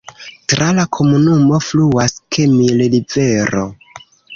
Tra la komunumo fluas Kemi-rivero.